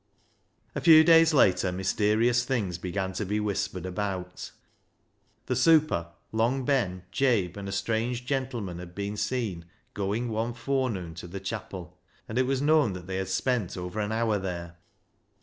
A few days later mysterious things began to be whispered about. The super. Long Ben, Jabe, and a strange gentleman had been seen going one forenoon to the chapel, and it was known that they had spent over an hour there.